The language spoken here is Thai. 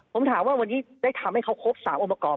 ผมถามว่าวันนี้ได้ทำให้เขาครบ๓องค์ประกอบ